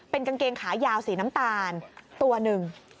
เป็นกางเกงขายาวสีน้ำตาลตัวหนึ่ง